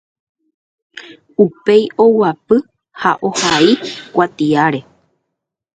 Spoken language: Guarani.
upéi oguapy ha ohai kuatiáre